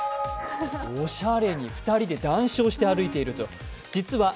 おしゃれに２人で談笑して歩いているという。